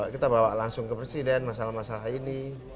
kita bawa langsung ke presiden masalah masalah ini